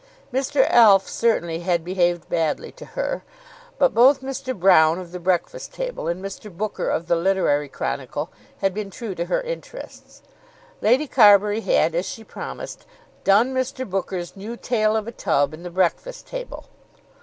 Mr. Alf certainly had behaved badly to her; but both Mr. Broune of the "Breakfast Table," and Mr. Booker of the "Literary Chronicle," had been true to her interests. Lady Carbury had, as she promised, "done" Mr. Booker's "New Tale of a Tub" in the "Breakfast Table."